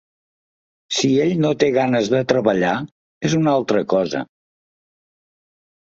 Si ell no té ganes de treballar, és una altra cosa.